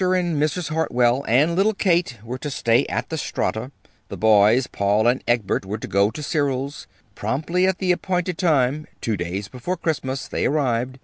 and Mrs. Hartwell and little Kate were to stay at the Strata. The boys, Paul and Egbert, were to go to Cyril's. Promptly at the appointed time, two days before Christmas, they arrived.